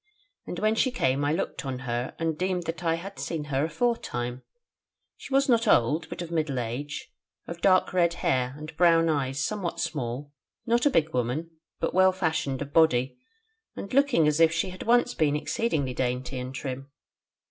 And when she came I looked on her, and deemed that I had seen her aforetime: she was not old, but of middle age, of dark red hair, and brown eyes somewhat small: not a big woman, but well fashioned of body, and looking as if she had once been exceeding dainty and trim.